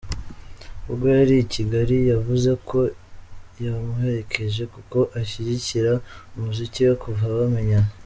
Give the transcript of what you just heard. Ubwo yari i Kigali, yavuze ko yamuherekeje kuko ashyigikira umuziki we kuva bamenyana.